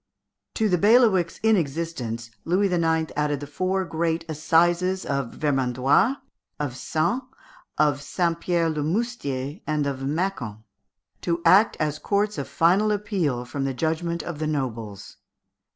To the bailiwicks already in existence Louis IX. added the four great assizes of Vermandois, of Sens, of Saint Pierre le Moustier, and of Mâcon, "to act as courts of final appeal from the judgment of the nobles."